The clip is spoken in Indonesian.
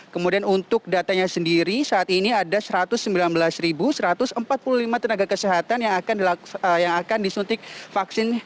kemudian untuk datanya sendiri saat ini ada satu ratus sembilan belas satu ratus empat puluh lima tenaga kesehatan yang akan disuntik vaksin